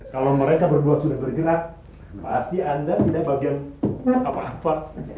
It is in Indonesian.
kalau mereka berdua sudah bergerak pasti anda tidak bagian apa apa